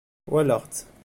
Walaɣ-tt.